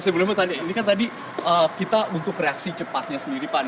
sebelumnya ini kan tadi kita untuk reaksi cepatnya sendiri pak